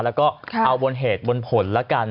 แล้วก็เอาบนเหตุบนผลแล้วกัน